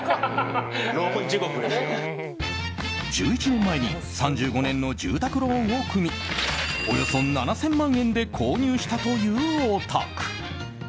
１１年前に３５年の住宅ローンを組みおよそ７０００万円で購入したというお宅。